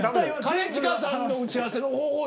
兼近さんの打ち合わせの方法